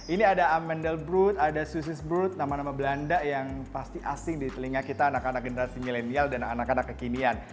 ini ada amendel brut ada susis brut nama nama belanda yang pasti asing di telinga kita anak anak generasi milenial dan anak anak kekinian